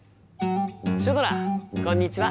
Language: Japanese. シュドラこんにちは！